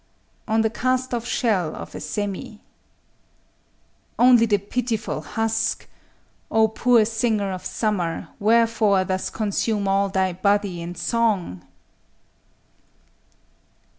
_ ON THE CAST OFF SHELL OF A SÉMI _Only the pitiful husk!… O poor singer of summer, Wherefore thus consume all thy body in song?